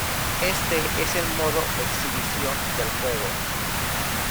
Este es el modo exhibición del juego.